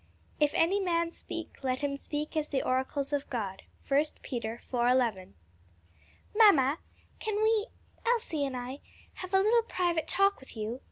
"If any man speak, let him speak as the oracles of God." 1 Peter, 4:11. "Mamma, can we Elsie and I have a little private talk with you?"